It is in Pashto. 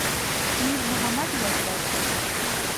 نور محمد وردک